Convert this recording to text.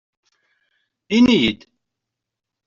Iniyi-d!